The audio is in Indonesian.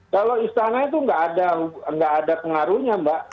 kalau istana itu nggak ada pengaruhnya mbak